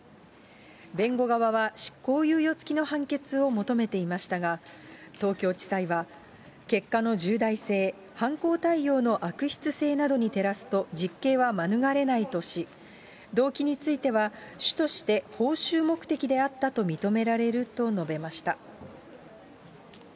弁護側は執行猶予付きの判決を求めていましたが、東京地裁は、結果の重大性、犯行態様の悪質性などに照らすと実刑は免れないとし、動機については、主として報酬目的であったと認められると述べました。